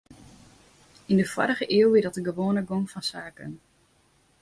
Yn de foarrige iuw wie dat de gewoane gong fan saken.